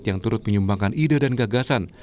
yang turut menyumbangkan ide dan gagasan